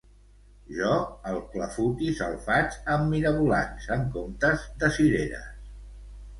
Jo, el clafoutis, el faig amb mirabolans en comptes de cireres